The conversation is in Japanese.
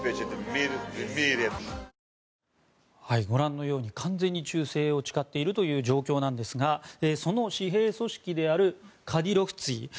ご覧のように完全に忠誠を誓っているという状況なんですがその私兵組織であるカディロフツィ。